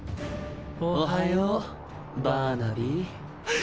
おはようバーナビー。